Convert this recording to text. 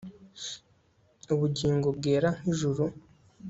Ubugingo bwera nkijuru